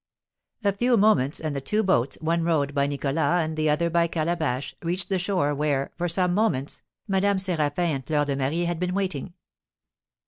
A few moments, and the two boats, one rowed by Nicholas and the other by Calabash, reached the shore where, for some moments, Madame Séraphin and Fleur de Marie had been waiting.